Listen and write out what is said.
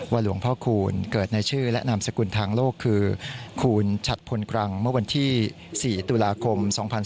หลวงพ่อคูณเกิดในชื่อและนามสกุลทางโลกคือคูณฉัดพลกรังเมื่อวันที่๔ตุลาคม๒๔